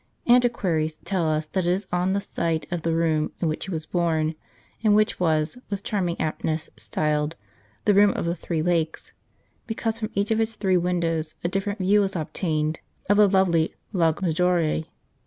Anti quaries tell us that it is on the site of the room in which he was born, and which was, with charming aptness, styled " the room of the three lakes," because from each of its three windows a different view was obtained of the lovely Lago Maggiore.